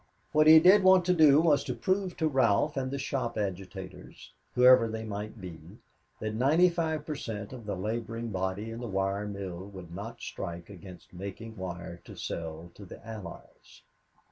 What he did want to do was to prove to Ralph and the shop agitators, whoever they might be, that ninety five per cent. of the laboring body in the wire mill would not strike against making wire to sell to the Allies.